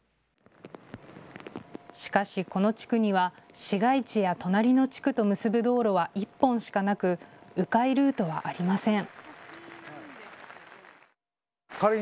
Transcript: しかし、この地区には市街地や隣の地区と結ぶ道路は１本しかなくう回ルートはありません。